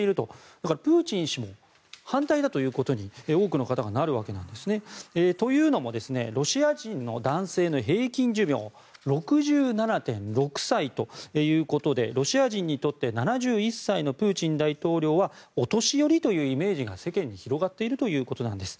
だからプーチン氏も反対だということに多くの方がなるわけなんですね。というのもロシア人の男性の平均寿命６７．６歳ということでロシア人にとって７１歳のプーチン大統領はお年寄りというイメージが世間に広がっているということです。